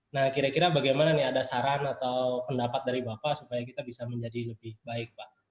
nah kira kira bagaimana nih ada saran atau pendapat dari bapak supaya kita bisa menjadi lebih baik pak